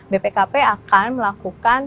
bpkp akan melakukan